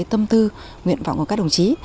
tâm tư nguyện vọng của các đồng chí